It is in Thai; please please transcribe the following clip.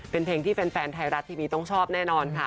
เป็นเพลงที่แฟนไทยรัฐทีวีต้องชอบแน่นอนค่ะ